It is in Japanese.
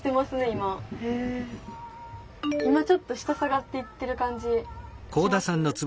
今ちょっと下下がっていってる感じします？